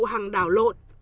hằng đảo lộn